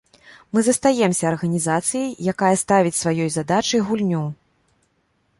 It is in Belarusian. Мы застаёмся арганізацыяй, якая ставіць сваёй задачай гульню.